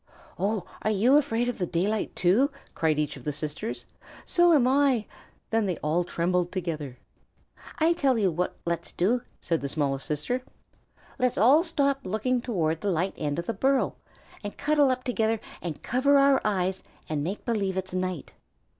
"Oh, are you afraid of the daylight too?" cried each of the sisters. "So am I!" Then they all trembled together. "I tell you what let's do," said the smallest sister. "Let's all stop looking toward the light end of the burrow, and cuddle up together and cover our eyes and make believe it's night."